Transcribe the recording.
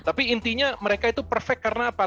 tapi intinya mereka itu perfect karena apa